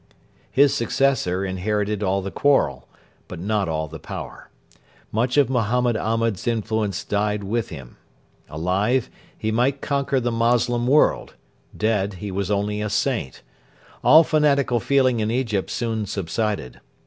His successor inherited all the quarrel, but not all the power. Much of Mohammed Ahmed's influence died with him. Alive, he might conquer the Moslem world; dead, he was only a saint. All fanatical feeling in Egypt soon subsided.